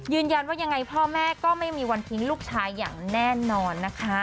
ยังไงพ่อแม่ก็ไม่มีวันทิ้งลูกชายอย่างแน่นอนนะคะ